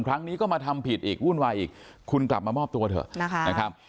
ครั้งนี้ก็มาทำผิดอีกวุ่นวายอีกคุณกลับมามอบตัวเถอะนะคะ